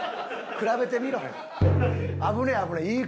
比べてみろ。